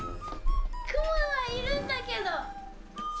くもがいるんだけど！